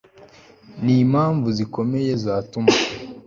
ni impamvu zikomeye zatuma